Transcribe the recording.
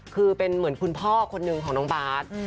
คือเป็นเหมือนคุณพ่อคนหนึ่งของน้องบาท